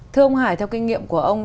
thưa ông hải theo kinh nghiệm của ông